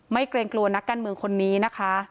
เกรงกลัวนักการเมืองคนนี้นะคะ